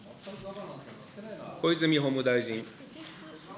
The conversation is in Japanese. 小泉法務大臣。